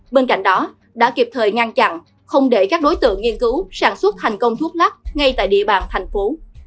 bên cạnh đó đã kịp thời ngăn chặn không để các đối tượng nghiên cứu sản xuất thành công thuốc lắc ngay tại địa bàn thành phố